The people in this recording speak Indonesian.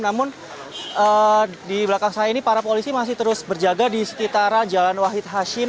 namun di belakang saya ini para polisi masih terus berjaga di sekitar jalan wahid hashim